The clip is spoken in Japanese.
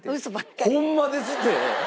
ホンマですって！